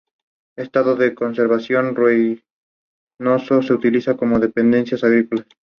Siendo este el primer título de la carrera profesional de Lama.